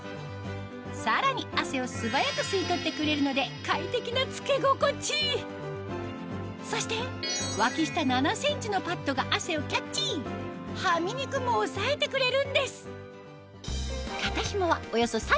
さらに汗を素早く吸い取ってくれるので快適な着け心地そして脇下７ｃｍのパッドが汗をキャッチハミ肉もおさえてくれるんです肩紐はおよそ